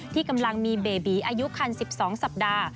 ที่กำลังมีเบบีอายุคัน๑๒สัปดาห์